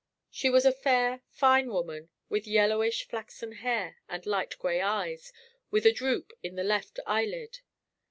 She was a fair, fine woman, with yellowish flaxen hair and light gray eyes, with a droop in the left eyelid.